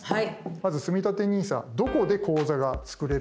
まずつみたてＮＩＳＡどこで口座が作れるのでしょうか？